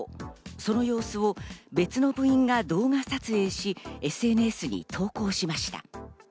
その様子を別の部員が動画撮影し、ＳＮＳに投稿しました。